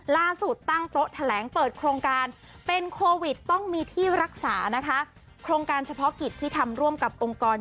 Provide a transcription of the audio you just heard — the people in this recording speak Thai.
ล่าสุดตั้งโต๊ะแถลงเปิดโครงการเป็นโควิดต้องมีที่รักษานะคะโครงการเฉพาะกิจที่ทำร่วมกับองค์กร